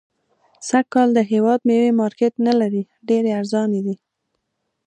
سږ کال د هيواد ميوي مارکيټ نلري .ډيري ارزانه دي